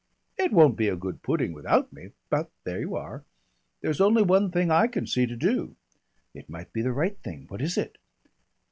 It won't be a good pudding without me, but there you are! There's only one thing I can see to do " "It might be the right thing. What is it?"